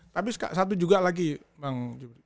tapi satu juga lagi bang jubri